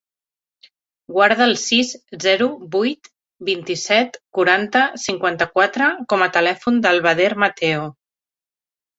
Guarda el sis, zero, vuit, vint-i-set, quaranta, cinquanta-quatre com a telèfon del Badr Mateo.